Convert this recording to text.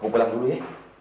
aku pulang dulu ya